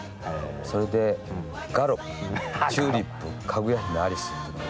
それでガロ、チューリップ、かぐや姫、アリスって。